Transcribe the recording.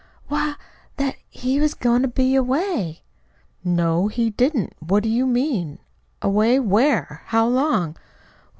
"Why, that that he was goin' to be away." "No, he didn't. What do you mean? Away where? How long?"